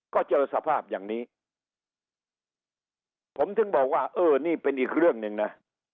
ก็เจอสภาพอย่างนี้ผมถึงบอกว่าเออนี่เป็นอีกเรื่องหนึ่งนะ